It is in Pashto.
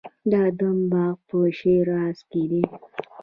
د ارم باغ په شیراز کې دی.